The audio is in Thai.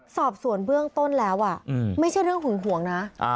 สอบสวนเบื้องต้นแล้วไม่ใช่เรื่องหึงหวงนะ